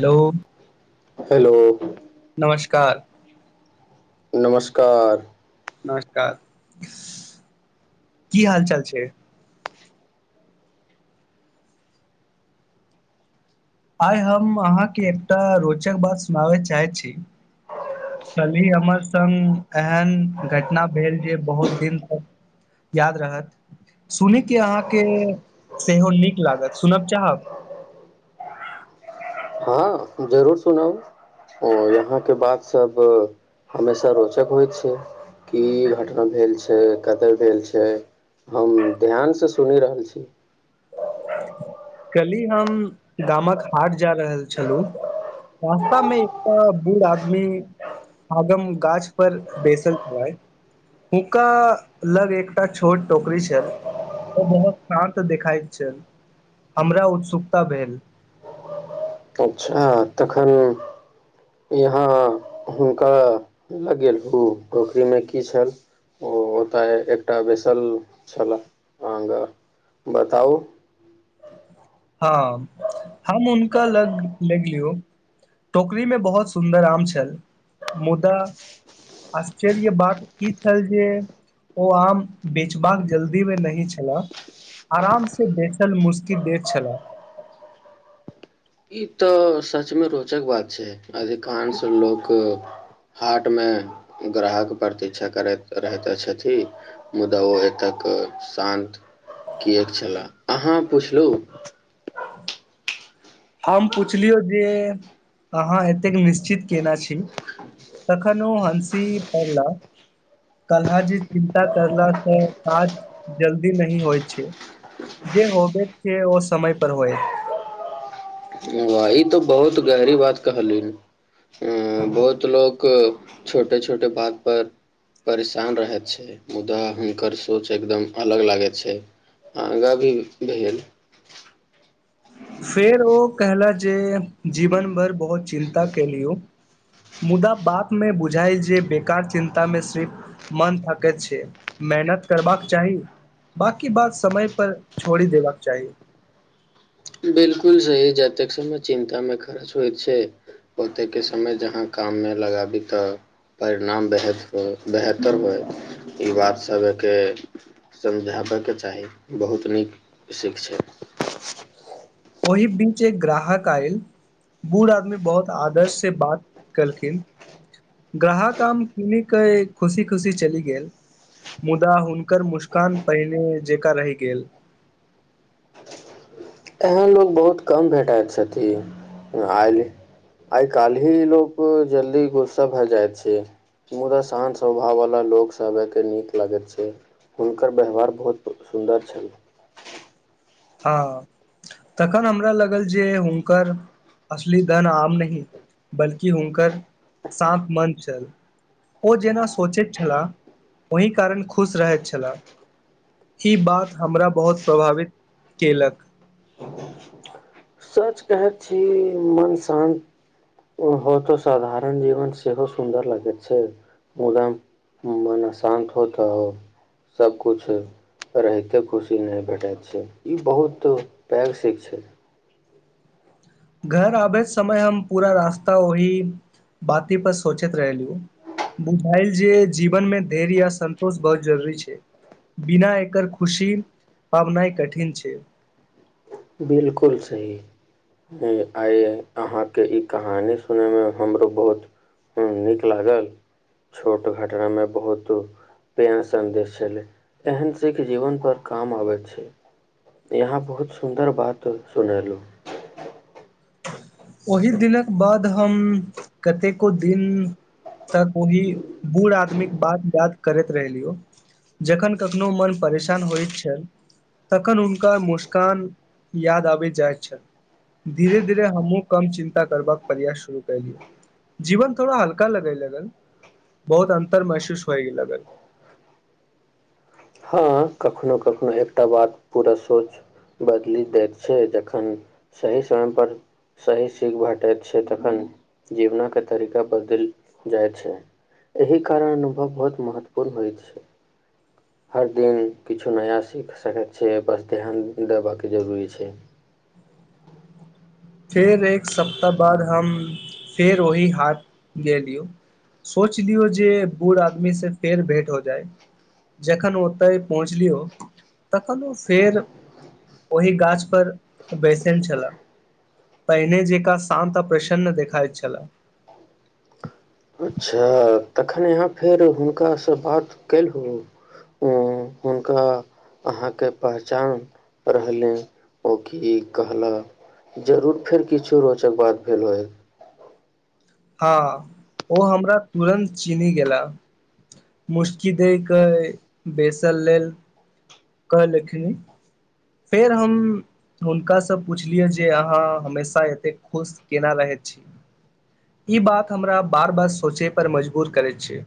hello hello नमस्कार का नमस्कार नमस्कार की हाल चाल छै आइ हम अहाँके एकटा रोचक बात सुनाबय चाहैत छी कल्हि हमर संग एहन घटना भेल जे बहुत दिन तक याद रहत सुनि क अहाँके सेहो नीक लागत सुनब चाहब हँ जरूर सुनाउ यहाँके बात सब हमेशा रोचक होइत छै की घटना भेल छै कते भेल छै हम ध्यान स सुनी रहल छी कली हम गामक हाट जा रहल छलहुँ रास्ता में एकटा बूढ़ आदमी आगम गाछ पर बैसल छलै हुनका लग एकटा छोट टोकरी छल ओ बहुत शान्त देखाइत छल हमरा उत्सुकता भेल अच्छा तखन यहाँ हुनका लगेल ओ टोकरीमे की छल ओ ओतय एकटा बैसल छल आगाँ बताउ हँ हम हुनका लग लगियो टोकरी मे बहुत सुन्दर आम छल मुदा आश्चर्य बात ई छल जे ओ आम बेचबाक जल्दी मे नहि छला आराम स बेचल मुस्की छलए ई तऽ सच मे रोचक बात छै अधिकांश लोक हाट में ग्राहक प्रतीक्षा करैत रहते छथि मुदा ओ एतक शान्त किियक छलाह अहाँ पुछलु हम पुछलियौ जे अहाँ एतेक निश्चित केने छी तखन ओ हँसी पड़ला कलजी चिन्ता करलासँ काज जल्दी नहिही होइ छै जे होबे छै ओ समयपर होइ वाह ई तो बहुत गहरी बात कहलन बहुत लोक छोटे छोटे बात पर परेशान रहे छै मुदा हुनकर सोच एकदम अलग लागे छै आगा भी भेल फेर ओ कहला जे जीवन भरि बहुत चिन्ता केलियौ मुदा बातमे बुझाइ जे बेकार चिन्तामे सिर्फ मन थकैत छै मेहनत करबाक चाही बकी बात समय पर छोड़ि देबाक चाही बिलकुल सही जतेक समय चिन्तामे खर्च होइत छै ओतेकके समय जहाँ काममे लगाबी तऽ परिणाम बेह हो बेहतर होइ ई बात सब एकके समझाबैके चाही बहुत नीक शिख छै ओहि बीच एक ग्राहक आयल बूढ़ आदमी बहुत आदर्श से बात केलखिन ग्राहक आम कने के खुशी खुशी चलि गेल मुदा हुनकर मुस्कान पहिने जेकाँ रहि गेल एहन लोक बहुत कम भेटइत छथिन आ आइ काल्हि ही लोक जल्दी गुस्सा भए जाइत छै मुदा शान्त स्वभाववला लोकसभ एकके नीक लागैत छै हुनकर व्यवहार बहुत सुन्दर छल हँ तखन हमरा लागल जे हुनकर असली धन आम नहि बल्कि हुनकर शान्त मन छल ओ जेना सोचैत छलाह ओहि कारण खुश रहैत छलाह ई बात हमरा बहुत प्रभावित केेलक सच कहैत छी मन शान्त होतऽ साधारण जीवन सेहो सुन्दर लगैत छै मुदा मन अशान्त होतऽ सब कुछु रहिते खुशी नहि भेटैत छै ई बहुत वैघ शिक्ष घर आबैत समय हम पूरा रास्ता ओहि बाते पर सोचैत रहलहु बुझायल जे जीवन मे धैर्य या संन्तोष बहुत जरूरी छै बिना एकर खुशी पाबनाइ कठिन छै बिलकुल सही आइ अहाँ के ई कहानी सुनय मे हमरो बहुत नीक लागल छोट घटना मे बहुत प्रेार सन्देश छले एहन सिख जीवन पर काम आबैत छै यहााँ बहुत सुन्दर बात सुनेलहुँ ओहिी दिनक बाद हम कतेको दिन तक ओहि बूढ़ आदमीक बात याद करैत रहलियौ जखन कखनो मन परेशान होइत छलनि तखन हुनका मुस्कान याद आबैत जाइत छनि धीरे धीरे हमहूँ कम चिन्ता करबाक प्रयास शुरू कलिय जीवन थोड़ा हल्का लगे लगन बहुत अन्तर महसूस होय लगन हँ कखनो कखनो एकटा बात पूरा सोच बदलि दैत छै जखन सही समयपर सही सीख भेटैत छै तखन जीवनके तरीका बदलि जाइत छै एहि कारण अनुभव बहुत महत्वपूर्ण होइत छै हर दिन किछु नया सीख सकय छै बस ध्यान दे बाकी जरूरी छै फेर एक सप्ताह बाद हम फेर ओहि हाट गेलियौ सोच लियौ जे बूढ़ आदमीसँ फेर भेँट हो जाय जखन ओतय पहुँचलियौ तखन ओ फेर ओह गाछपर बैसने छलह पहिने जेका शान्त आ प्रसन्न देखाइत छलह अच्छा तखन यहाँ फेर हुनका से बात केलहु उ हुनका अहाँके पहचान रहलनि ओ की कहल जरूर फेर किछो रोचक बात भेल हँ ओ हमरा तुरन्त चीनहि गेला मुसकी दे क बेसल लेल कहलखिन फेर हम हुनकासँ पुछलियै जे अहाँ हमेशा एते खुश केना रहैत छी ई बात हमरा बार बार सोचय पर मजबूर करैत छै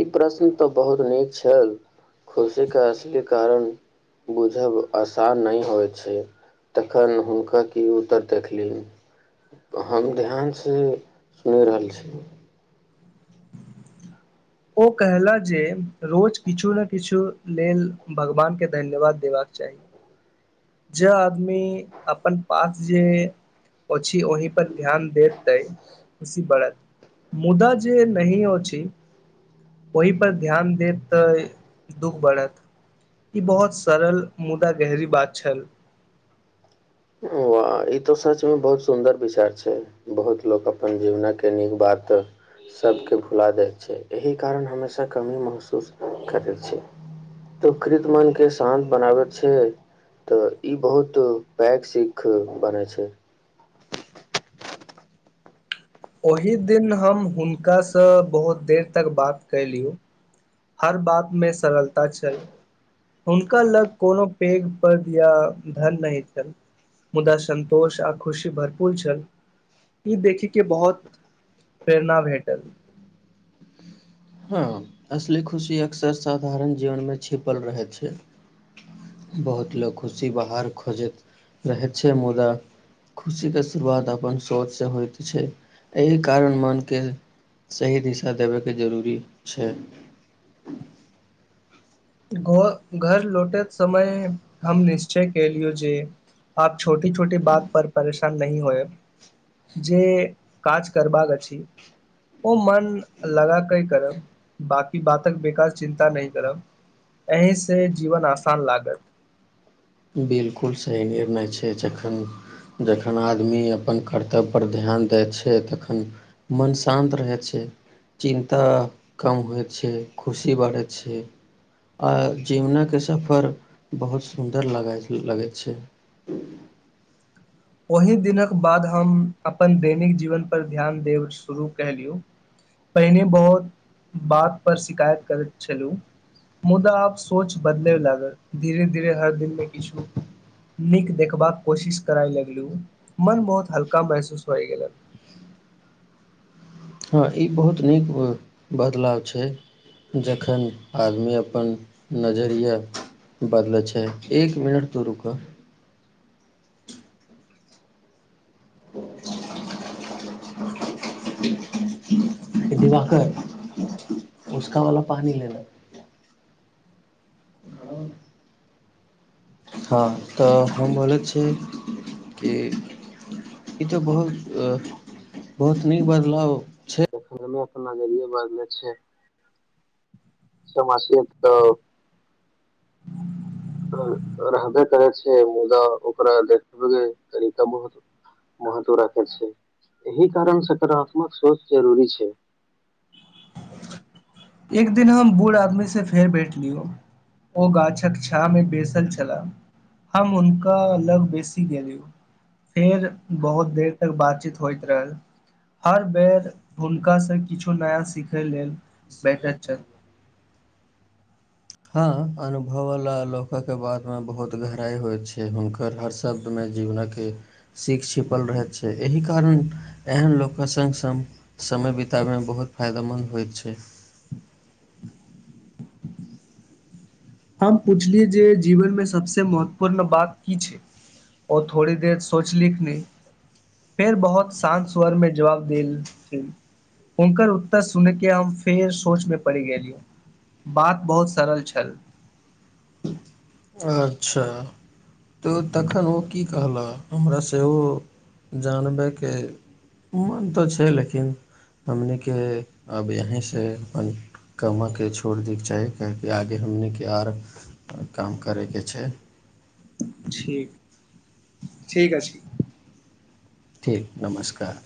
ई प्रश्न तऽ बहुत नीक छल खुशीक के असली कारण बुझब आसान नहि होइ छै तखन हुनका की उत्तर देखलनि हम ध्यान से सुनि रहल छी ओ कहलाह जे रोज किछु ने किछु लेल भगवानकेँ धन्यवाद देबाक चाही जे आदमी अपन पास जे अछि छै औहि पर ध्यान देत तै खुशी बढ़त मुदा जे नही अछि छै ओहि पर ध्यान देत तै दुःख बढ़त ई बहुत सरल मुदा गहरी बात पछल आ ई तो सचमे बहुत सुन्दर विचार छै बहुत लोक अपन जीवनके नीक बात सबके भुला दै छै एहि कारण हमेशा कमी महसूस करै छै त कृत मनके शान्त बनाबै छै तऽ ई बहुत पैघ सीख बनै छै ओहि दिन हम हुनकासँ बहुत देर तक बात कयलियौ हर बात मे सरलता छल हुनका लग कोनो पेघ प या धन नहि छल मुदा संन्तोष आ खुशी भरपूर छल ई देखै के बहुत प्रेरणा भेटल हँ असली खुशी अक्सर साधारण जीवन मे छिपल रहै छै बहुत लोग खुशी बाहर खोजैत रहै छै मुदा खुशी के शुरुआत अपन सोच से होइत छै एहि कारण मन के सही दिशा देबे के जरूरी छै घ घर लौटे समय हम निश्चय क लियौ जे आप छोटी छोटी बात पर परेशान नहिह होए जे काज करबाक अछि ओ मन लगा के करब बाकी बातक बेकारास चिन्ता नहि करब एहि से जीवन आसान लागत बिलकुल सही निर्णय छै जखन जखन आदमी अपन कर्तव्यपर ध्यान दैत छै तखन मन शान्त रहैत छै चिन्ता कम होइत छै खुशी बढ़ैत छै आ जीवनके सफर बहुत सुर डर ल लगै छै ओहि दिनक बाद हम अपन दैनिक जीवन पर ध्यान देब शुरू कलियू पहिने बहुत बात पर शिकायत करैत छलु मुदा आब सोच बदलब लागल धीरे धीरे हर दिन मे किछु नीक देखबाक कोशिश कराय लगल मन बहुत हल्का महसूस होइ गेल हँ ई बहुत नीक बदलाव छै जखन आदमी अपन नजरिया बदलैत छै एक मिनट तऽ रुकऽ दिवाकर उसका वाला पानी लेना [unintelligible] हँ तऽ हम बोले छियै कि ई तऽ बहुत बहुत निक बदलाव छै नजरि बदले छै समासियत त रहबे करै छै मुदा ओकरा देखबे तरीका बहुत महत्व राखे छै एहि कारण सकारात्मक सोच जरूरी छै एक दिन हम बूढ़ आदमी से फेर बैठे दिय ओ गाछ कक्षा मे बेसल छलाह हम हुनका लग बेसी गेलिय फेर बहुत देर तक बातचीत होइत रहल हर बेर हुनकासँ किछु नया सिखय लेल बेटर चल हँ अनुभववला लोकके बादमे बहुत गहराइ होइत छै हुनकर हर शब्दमे जीवनके सीख छिपल रहैत छै एहि कारण एहन लोकके सङ्ग सङ्ग समय बिताबयमे बहुत फायदामन्द होइत छै हम पुछलिय जे जीवन में सबस महत्वपूर्ण बात की छै ओ थोड़ी देर सोचलिख नहि फेर बहुत शान्त स्वर में जवाब देल छै हुनकर उत्तर सुन के हम फेर सोच मे पड़ि गेलिय बात बहुत सरल छल अच्छा तऽ तखन ओ की कहलह हमरा सेहो जानबयके मन तऽ छै लेकिन हमनिके आब यहीँ सँ अपन कमयके छोड़ि दयके चाही काहेकि आगे हमनिके आर काम करैके छै ठीक ठीक अछि ठीक नमस्कार